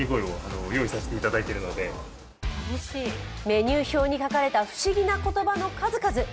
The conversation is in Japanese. メニュー表に書かれた不思議な言葉の数々。